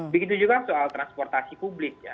begitu juga soal transportasi publik ya